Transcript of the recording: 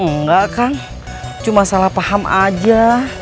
enggak kang cuma salah paham aja